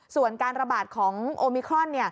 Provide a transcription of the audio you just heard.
ส่วนการระบาดของโอมิครอน